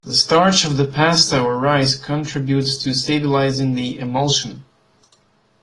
The starch of the pasta or rice contributes to stabilizing the emulsion.